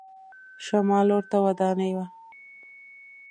شمال لور ته ودانۍ وه.